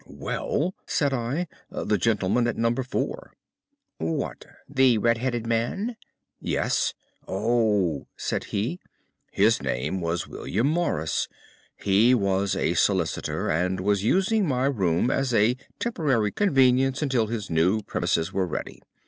"'Well,' said I, 'the gentleman at No. 4.' "'What, the red headed man?' "'Yes.' "'Oh,' said he, 'his name was William Morris. He was a solicitor and was using my room as a temporary convenience until his new premises were ready.